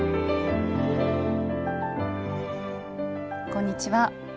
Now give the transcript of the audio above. こんにちは。